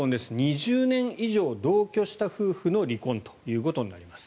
２０年以上同居した夫婦の離婚ということになります。